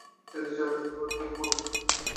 তিনি জানেন, খবর পাবার জন্যে আমার মনটা কী রকম করছে।